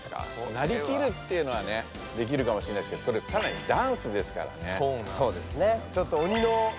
なりきるっていうのはねできるかもしれないですけどそれさらにダンスですからね。